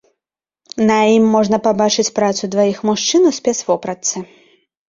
На ім можна пабачыць працу дваіх мужчын у спецвопратцы.